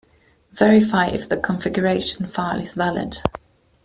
Verify if the configuration file is valid.